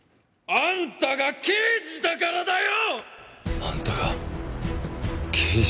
「あんたが刑事だからだよ」。